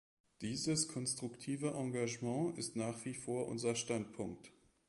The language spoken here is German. Dieses konstruktive Engagement ist nach wie vor unser Standpunkt.